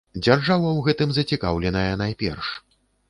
Дзяржава ў гэтым зацікаўленая найперш.